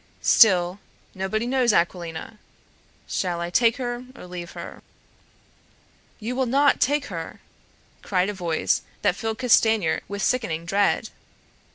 Still, nobody knows Aquilina. Shall I take her or leave her?" Protested. "You will not take her!" cried a voice that filled Castanier with sickening dread.